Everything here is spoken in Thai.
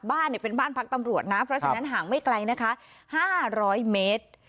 บ้านเป็นบ้านพักตำรวจนะเพราะฉะนั้นห่างไม่ไกลนะคะ๕๐๐เมตร